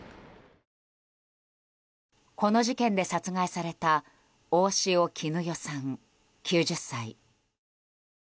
この事件で殺害された大塩衣與さん、９０歳。